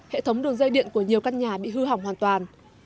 hệ thống đường dây điện của nhiều căn nhà bị hư hỏng hoàn toàn